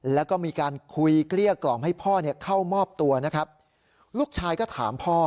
แล้วก็มีการคุยเกลี้ยกล่อมให้พ่อเนี่ยเข้ามอบตัวนะครับลูกชายก็ถามพ่อ